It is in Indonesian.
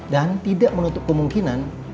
dan tidak menutup kemungkinan